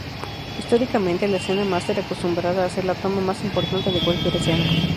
Históricamente, la escena máster acostumbraba a ser la toma más importante de cualquier escena.